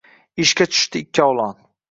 Ishga tushdi ikkovlon.